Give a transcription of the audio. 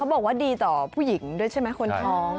บอกว่าดีต่อผู้หญิงด้วยใช่ไหมคนท้อง